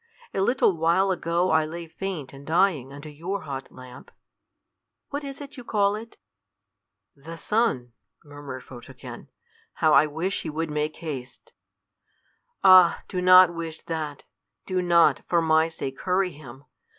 A little while ago I lay faint and dying under your hot lamp. What is it you call it?" "The sun," murmured Photogen: "how I wish he would make haste!" "Ah! do not wish that. Do not, for my sake, hurry him.